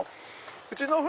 うちの船